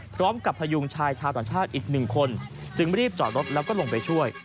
พยุงชายชาวต่างชาติอีกหนึ่งคนจึงรีบจอดรถแล้วก็ลงไปช่วย